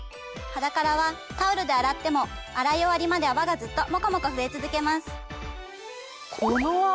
ｈａｄａｋａｒａはタオルで洗っても洗い終わりまで泡がずっともこもこ増え続けます。